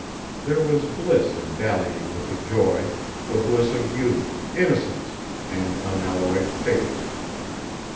There was bliss in dallying with the joy, the bliss of youth, innocence, and unalloyed faith.